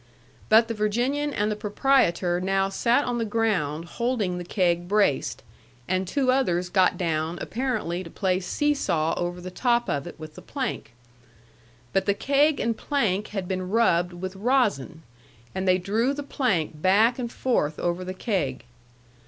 But the Virginian and the proprietor now sat on the ground holding the keg braced, and two others got down apparently to play see saw over the top of it with the plank. But the keg and plank had been rubbed with rosin, and they drew the plank back and forth over the keg.